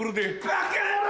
バカ野郎！